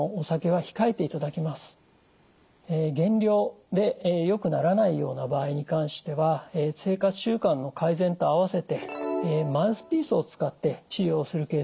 減量でよくならないような場合に関しては生活習慣の改善と併せてマウスピースを使って治療するケースもあります。